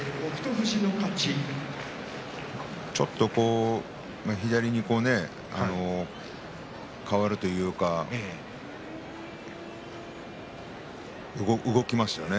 ちょっと左に変わるというか動きましたよね。